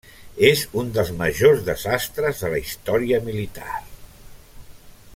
És un dels majors desastres de la història militar.